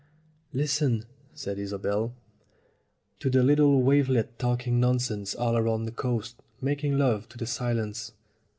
"Listen," said Isobel, "to the little wavelets talking nonsense all round the coast making love to the silence.